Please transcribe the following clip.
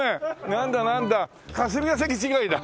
なんだなんだ霞ケ関違いだ。